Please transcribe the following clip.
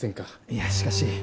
いやしかし。